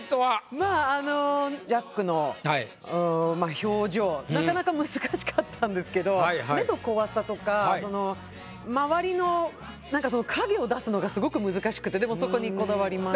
まああのジャックの表情なかなか難しかったんですけど目の怖さとか周りの何かその影を出すのがすごく難しくてでもそこにこだわりました。